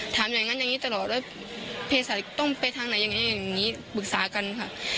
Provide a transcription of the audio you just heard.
ถามอย่างนั้นอย่างนี้ตลอดแล้วเพศาศต้องไปทางไหนยังไงอย่างนี้ปรึกษากันค่ะ